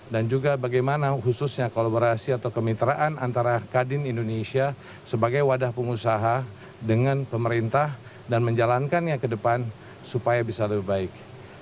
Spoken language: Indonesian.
dan juga bagaimana khususnya kolaborasi atau kemitraan antara kadin indonesia sebagai wadah pengusaha dengan pemerintah dan menjalankannya ke depan supaya bisa lebih baik